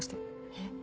えっ？